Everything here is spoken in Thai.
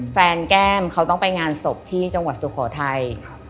แก้มเขาต้องไปงานศพที่จังหวัดสุโขทัย